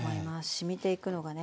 しみていくのがね